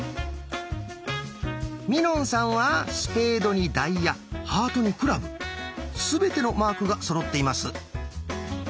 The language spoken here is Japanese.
みのんさんはスペードにダイヤハートにクラブ全てのマークがそろっています。